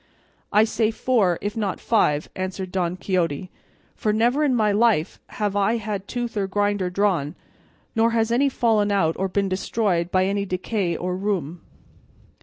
"I say four, if not five," answered Don Quixote, "for never in my life have I had tooth or grinder drawn, nor has any fallen out or been destroyed by any decay or rheum."